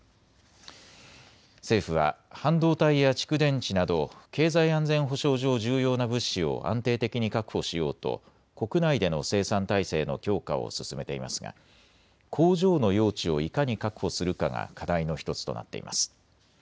政府は半導体や蓄電池など経済安全保障上、重要な物資を安定的に確保しようと国内での生産体制の強化を進めていますが工場の用地をいかに確保するかが課題の１つとなっています。